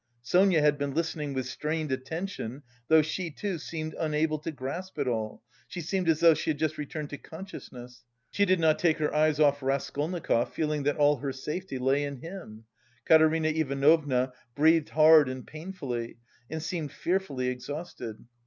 Sonia had been listening with strained attention, though she too seemed unable to grasp it all; she seemed as though she had just returned to consciousness. She did not take her eyes off Raskolnikov, feeling that all her safety lay in him. Katerina Ivanovna breathed hard and painfully and seemed fearfully exhausted.